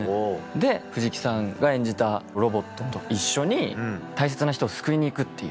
で藤木さんが演じたロボットと一緒に大切な人を救いに行くっていう。